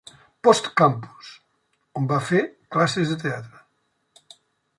Post Campus, on va fer classes de teatre.